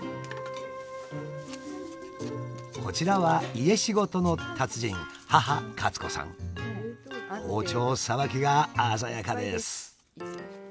こちらは家仕事の達人包丁さばきが鮮やかです。